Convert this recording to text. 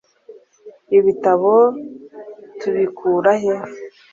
ibitabo tubikura he